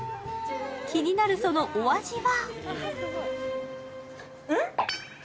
気になるそのお味は？